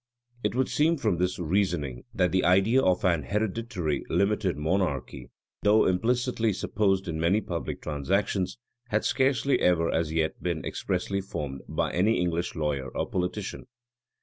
[*] It would seem, from this reasoning, that the idea of an hereditary limited monarchy, though implicitly supposed in many public transactions, had scarcely ever as yet been expressly formed by any English lawyer or politician.